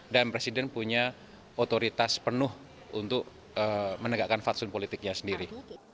dan presiden punya otoritas penuh untuk menegakkan faksun politiknya sendiri